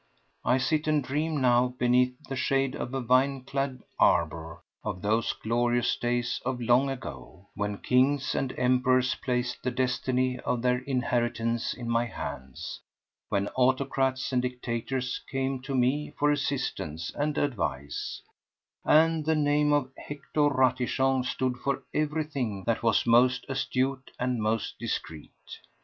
I sit and dream now beneath the shade of a vine clad arbour of those glorious days of long ago, when kings and emperors placed the destiny of their inheritance in my hands, when autocrats and dictators came to me for assistance and advice, and the name of Hector Ratichon stood for everything that was most astute and most discreet.